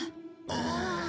ああ。